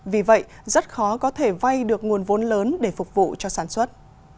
vì vậy rất khó có thể vay được nguồn vốn lớn để phục vụ cho sản xuất